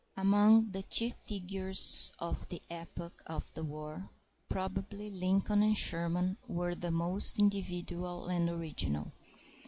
Among the chief figures of the epoch of the war probably Lincoln and Sherman were the most individual and original.